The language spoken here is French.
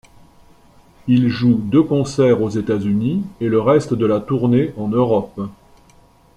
Ils jouent deux concerts aux États-Unis, et le reste de la tournée en Europe.